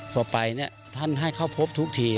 พอไปท่านให้เข้าพบทุกที